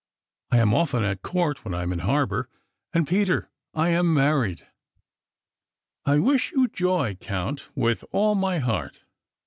I am often at court when I am in harbour; and, Peter, I am married." "I wish you joy, count, with all my heart."